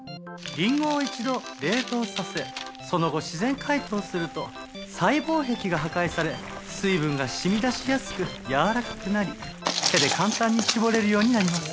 リンゴを一度冷凍させその後自然解凍すると細胞壁が破壊され水分が染み出しやすくやわらかくなり手で簡単に搾れるようになります。